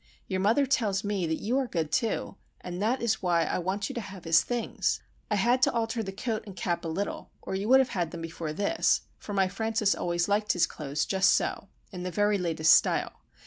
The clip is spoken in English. Your mother tells me that you are good, too, and that is why I want you to have his things. I had to alter the coat and cap a little, or you would have had them before this, for my Francis always liked his clothes just so,—in the very latest style.